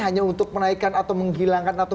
hanya untuk menaikkan atau menghilangkan atau